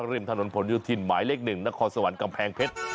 ริมถนนผลโยธินหมายเลข๑นครสวรรค์กำแพงเพชร